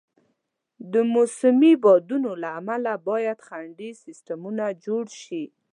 د موسمي بادونو له امله باید خنډي سیستمونه جوړ شي.